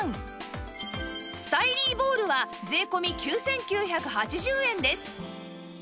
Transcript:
スタイリーボールは税込９９８０円です